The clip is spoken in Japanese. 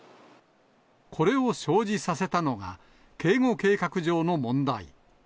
これを生じさせたのが、警護計画上の問題。